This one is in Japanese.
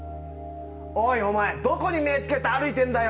おい、お前、どこに目をつけて歩いてんだよ！